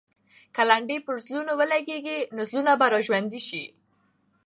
که لنډۍ پر زړونو ولګي، نو زړونه به راژوندي سي.